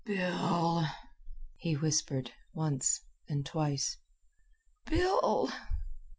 "Bill!" he whispered, once and twice; "Bill!"